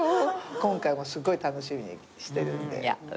今回もすごい楽しみにしてるんで。